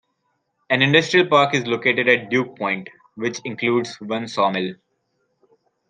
An industrial park is located at Duke Point, which includes one sawmill.